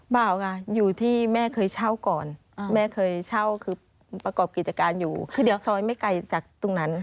เปล่าค่ะอยู่ที่แม่เคยเช่าก่อนแม่เคยเช่าคือประกอบกิจการอยู่คือเดี๋ยวซอยไม่ไกลจากตรงนั้น